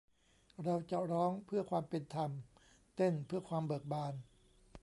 เราจะร้องเพื่อความเป็นธรรม เต้นเพื่อความเบิกบาน !